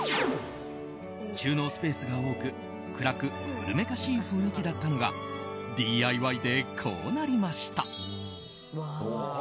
収納スペースが多く暗く古めかしい雰囲気だったのがＤＩＹでこうなりました。